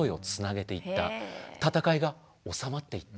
戦いが収まっていった。